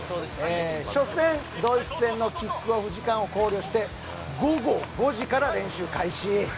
初戦、ドイツ戦のキックオフ時間を考慮して午後５時から練習開始。